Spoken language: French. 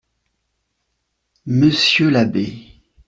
Monsieur l’abbé.